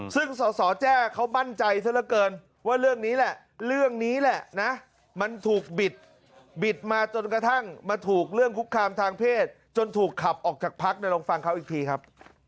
ซึ่งสสแจ้เขามั่นใจซะละเกินว่าเรื่องนี้แหละเรื่องนี้แหละนะมันถูกบิดบิดมาจนกระทั่งมาถูกเรื่องคุกคามทางเพศจนถูกขับออกจากพักลองฟังเขาอีกทีครับ